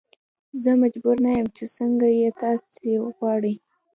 زه مجبور نه یم چې څنګه یې تاسو غواړئ.